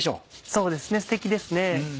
そうですねステキですね。